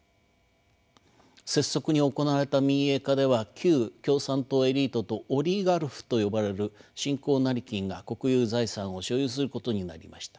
拙速に行われた民営化では旧共産党エリートとオリガルフと呼ばれる新興成金が国有財産を所有することになりました。